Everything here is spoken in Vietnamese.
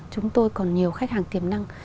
chúng tôi còn nhiều khách hàng tiềm năng